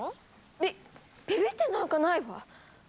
びびびってなんかないわ！